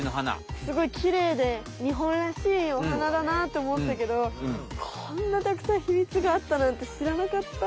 すごいきれいでにほんらしいお花だなっておもってたけどこんなたくさんひみつがあったなんてしらなかった。